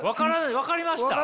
分かりました？